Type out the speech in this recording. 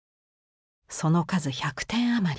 その数１００点余り。